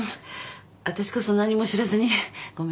私こそ何も知らずにごめんなさいね。